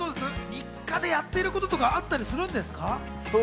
日課でやっていることとかあったりするんですか？